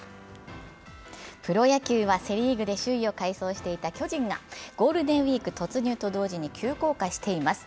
プロ野球はセ・リーグで首位を快走していた巨人がゴールデンウイーク突入と同時に急降下しています。